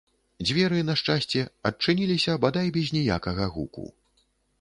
Дзверы, на шчасце, адчыніліся бадай без ніякага гуку.